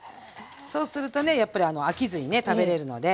そうするとねやっぱり飽きずにね食べれるのでよいしょ。